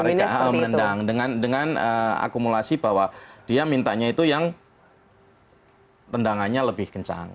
mereka menendang dengan akumulasi bahwa dia mintanya itu yang rendangannya lebih kencang